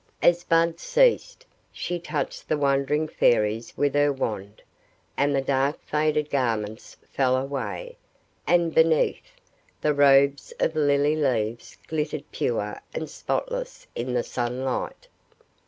As Bud ceased, she touched the wondering Fairies with her wand, and the dark faded garments fell away; and beneath, the robes of lily leaves glittered pure and spotless in the sun light.